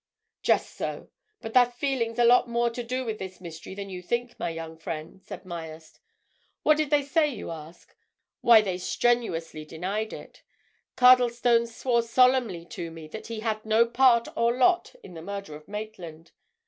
"Just so, but that feeling's a lot more to do with this mystery than you think, my young friend," said Myerst. "What did they say, you ask? Why, they strenuously denied it, Cardlestone swore solemnly to me that he had no part or lot in the murder of Maitland.